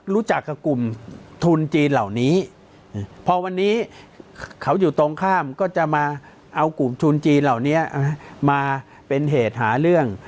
รู้จักกับกลุ่มทุนจีนเหล่านี้พอวันนี้เขาอยู่ตรงข้ามก็จะมาเอากลุ่มทุนจีนเหล่านี้มาเป็นเหตุหาเรื่อง